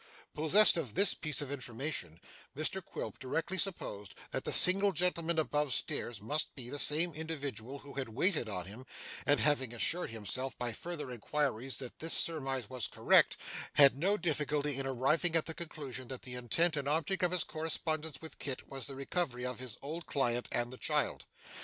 Possessed of this piece of information, Mr Quilp directly supposed that the single gentleman above stairs must be the same individual who had waited on him, and having assured himself by further inquiries that this surmise was correct, had no difficulty in arriving at the conclusion that the intent and object of his correspondence with Kit was the recovery of his old client and the child.